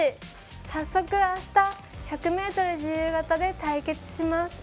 早速あした１００ｍ自由形で対決します。